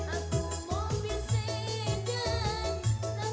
aku mau bersedihkan